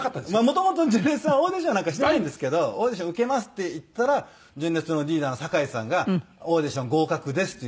元々純烈さんはオーディションなんかしていないんですけどオーディション受けますって言ったら純烈のリーダーの酒井さんがオーディション合格ですっていう。